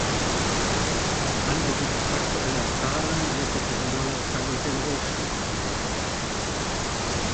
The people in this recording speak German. Angesichts aktueller Zahlen wird die Personalabteilung den Rotstift ansetzen.